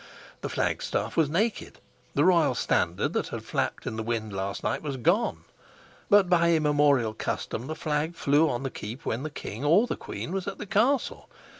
The flag staff was naked; the royal standard that had flapped in the wind last night was gone. But by immemorial custom the flag flew on the keep when the king or the queen was at the castle.